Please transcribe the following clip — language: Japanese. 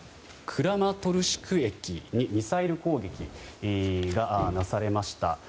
クラマトルシク駅にミサイル攻撃がなされました。